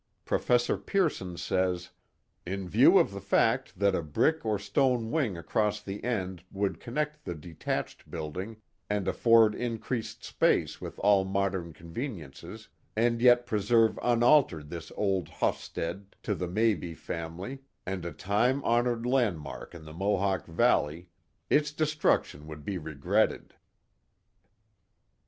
•: Professor Pearson says: In view of the fact that a brick or stone wing across the end would connect the detached building and aflford increased space with all modern conveni ences and yet preserve unaltered this old * hofstede ' to the Mabie family, and a time honored landmark in the Mohawk Valley, its destruction would be regretted.'